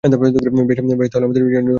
বেশ, তাহলে আমাদের জন্য বেস্ট অপশন কোনটা?